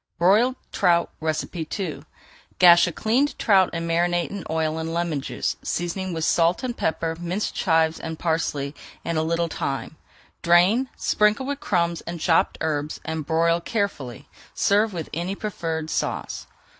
BROILED TROUT II Gash a cleaned trout and marinate in oil and lemon juice, seasoning with salt and pepper, minced chives, and parsley, and a little thyme. Drain, sprinkle with crumbs and chopped herbs, and broil carefully. Serve with any preferred sauce.